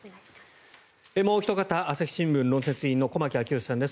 もうおひと方朝日新聞論説委員の駒木明義さんです。